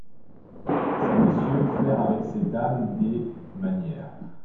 Ces messieurs faire avec ces dames des. manières